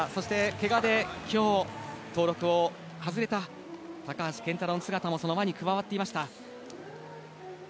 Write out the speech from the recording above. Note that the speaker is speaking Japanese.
けがで今日、登録を外れた高橋健太郎の姿もその輪に加わっていました。